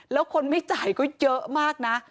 แล้วคนไม่จ่ายก็เยอะมากนะ